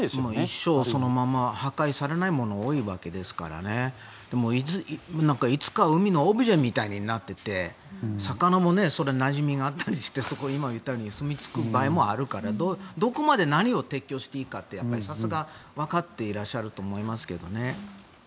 一生そのまま破壊されないものも多いわけですからでも、いつか海のオブジェみたいになっていって魚もなじみがあったりして今も言ったようにすみ着く場合もあるからどこに何を撤去していいかさすがにわかっていると思いますけどね。